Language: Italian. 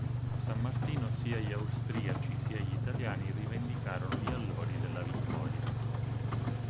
A San Martino sia gli austriaci sia gli italiani rivendicarono gli allori della vittoria.